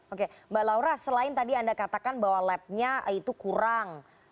oke mbak laura selain tadi anda katakan bahwa labnya itu kurang